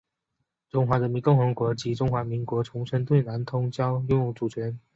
中华人民共和国及中华民国重申对南通礁拥有主权。